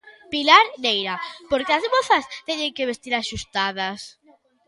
Pilar Neira: Por que as mozas teñen que vestir axustadas?